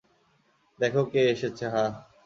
দ্যাখো কে এসেছে, হাহ!